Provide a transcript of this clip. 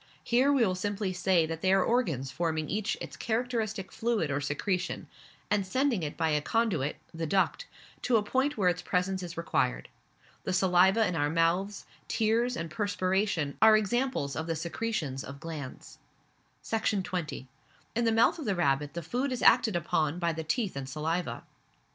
Here we will simply say that they are organs forming each its characteristic fluid or secretion, and sending it by a conduit, the duct, to the point where its presence is required. The saliva in our mouths, tears, and perspiration, are examples of the secretions of glands. Section 20. In the month of the rabbit the food is acted upon by the teeth and saliva.